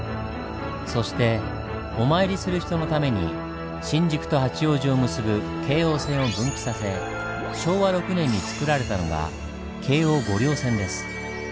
そしてお参りする人のために新宿と八王子を結ぶ京王線を分岐させ昭和６年につくられたのが京王御陵線です。